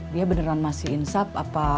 dia beneran masih insat apa